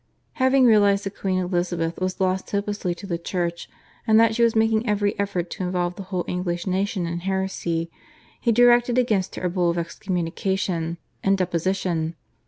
Having realised that Queen Elizabeth was lost hopelessly to the Church and that she was making every effort to involve the whole English nation in heresy, he directed against her a Bull of excommunication and deposition.